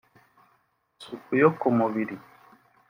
isuku yo ku mubiri